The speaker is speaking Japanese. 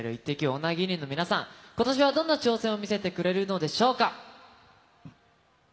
女芸人の皆さん、今年はどんな挑戦を見せてくれるのでしょうか。